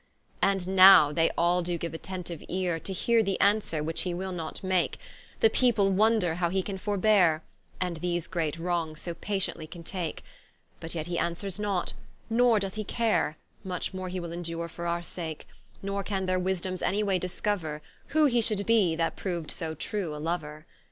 And now they all doe giue attentiue eare, To heare the answere, which he will not make; The people wonder how he can forbeare, And these great wrongs so patiently can take; But yet he answers not, nor doth he care, Much more he will endure for our sake: Nor can their wisdoms any way discouer, Who he should be that proou'd so true a Louer.